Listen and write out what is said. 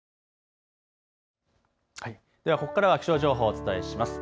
ここからは気象情報、お伝えします。